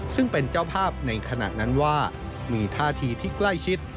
ซึ่งเป็นเจ้าภาพในขณะนั้นว่ามีท่าทีที่ใกล้ชิด